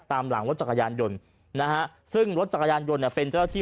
ตามหลังรถจักรยานยนต์นะฮะซึ่งรถจักรยานยนต์เนี่ยเป็นเจ้าที่